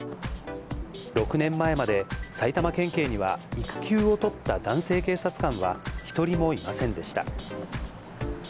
６年前まで、埼玉県警には、育休を取った男性警察官は１人もいませんでした。